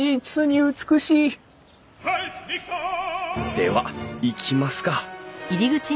では行きますか。